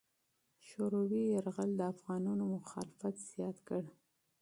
شوروي یرغل د افغانانو مخالفت زیات کړ.